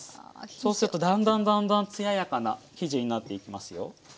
そうするとだんだん艶やかな生地になっていきますよ。